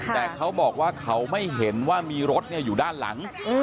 แต่เขาบอกว่าเขาไม่เห็นว่ามีรถอยู่ด้านหลัง